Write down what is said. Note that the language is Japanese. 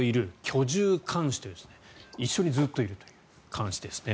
居住監視という一緒にずっといるという監視ですね。